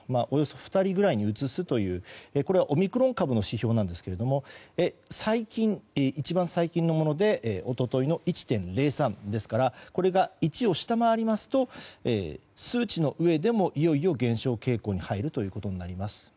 およそ２人ぐらいにうつすというこれはオミクロン株の指標なんですけれども一番最近のもので一昨日の１．０３ですからこれが１を下回りますと数値の上でもいよいよ減少傾向に入るということになります。